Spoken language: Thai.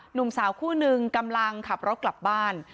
หนุ่มสาวคู่นึงกำลังขับรถกลับบ้าน